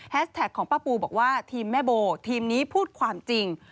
แท็กของป้าปูบอกว่าทีมแม่โบทีมนี้พูดความจริง